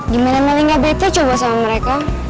gimana malingnya beto coba sama mereka